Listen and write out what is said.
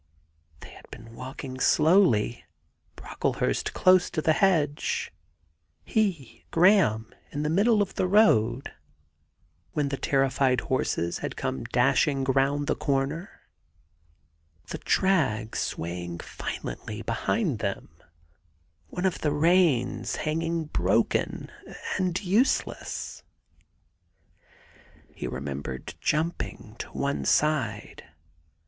... They had been walking slowly, Brocklehurst close to the hedge, he, Graham, in the middle of the road, when the terrified horses had come dashing round the corner, the drag swa3ang violently behind them, one of the reins hanging broken and useless. He re membered jumping to one side.